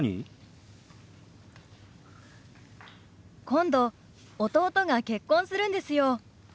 今度弟が結婚するんですよ。